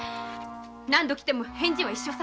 何度来ても返事は一緒さ。